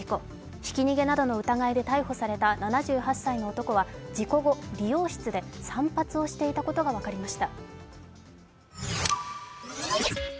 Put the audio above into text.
ひき逃げなどの疑いで逮捕された７８歳の男は事故後、理容室で散髪をしていたことが分かりました。